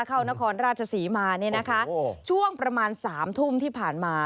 นครราชศรีมาเนี่ยนะคะช่วงประมาณ๓ทุ่มที่ผ่านมา